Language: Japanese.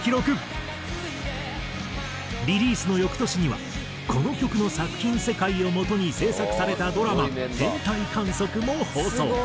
リリースの翌年にはこの曲の作品世界をもとに制作されたドラマ『天体観測』も放送。